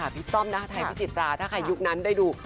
พี่ต้อมนะคะจะได้ได้ดู